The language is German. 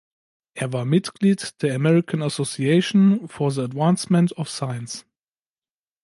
Er war Mitglied der American Association for the Advancement of Science.